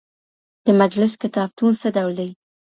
د مجلس کتابتون څه ډول دی؟